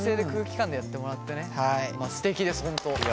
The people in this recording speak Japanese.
すてきです本当。